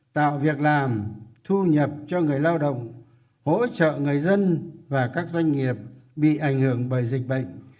tạo việc làm thu nhập cho người lao động hỗ trợ người dân và các doanh nghiệp bị ảnh hưởng bởi dịch bệnh